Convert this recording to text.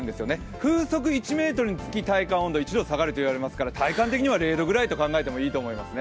風速１メートルにつき体感温度１度下がると言われていますから体感的には０度ぐらいと考えていいと思いますね。